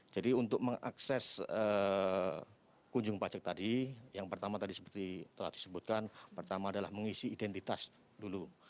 jadi untuk mengakses kunjungpajak tadi yang pertama tadi seperti telah disebutkan pertama adalah mengisi identitas dulu